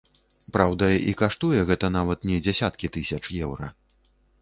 Праўда, і каштуе гэта нават не дзясяткі тысяч еўра.